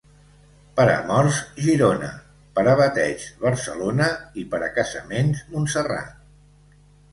Per a morts, Girona; per a bateigs, Barcelona, i per a casaments, Montserrat.